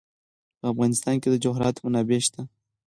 په افغانستان کې د جواهرات منابع شته.